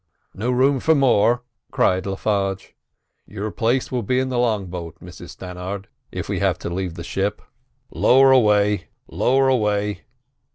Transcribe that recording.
"No room for more!" cried Le Farge. "Your place will be in the long boat, Mrs Stannard, if we have to leave the ship. Lower away, lower away!"